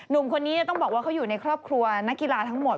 หนุ่มคนนี้ต้องบอกว่าเขาอยู่ในครอบครัวนักกีฬาทั้งหมด